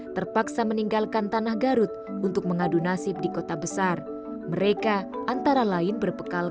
terpaksa meninggalkan tanah garut untuk mengadu nasib di kota besar mereka antara lain berpekal